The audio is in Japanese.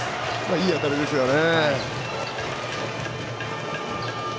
いい当たりですよね。